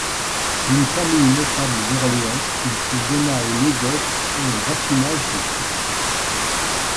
D'une famille notable d'Orléans, il se donna au négoce et au raffinage de sucre.